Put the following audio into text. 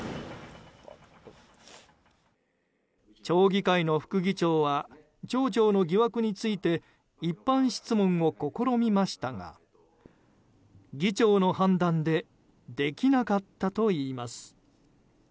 町議会の副議長は町長の疑惑について一般質問を試みましたが議長の判断でできなかったといいます。